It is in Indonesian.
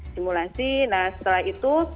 simulasi nah setelah itu